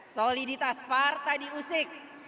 soliditas parta diusik